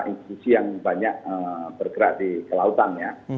institusi yang banyak bergerak di kelautan ya